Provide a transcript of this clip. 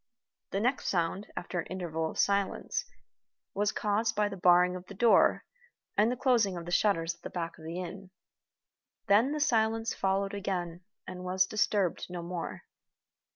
The next sound, after an interval of silence, was caused by the barring of the door and the closing of the shutters at the back of the inn. Then the silence followed again, and was disturbed no more.